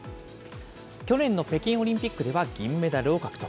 去年の北京オリンピックでは銀メダルを獲得。